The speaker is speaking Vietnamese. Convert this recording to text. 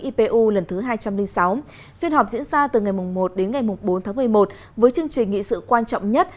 ipu lần thứ hai trăm linh sáu phiên họp diễn ra từ ngày một bốn một mươi một với chương trình nghị sự quan trọng nhất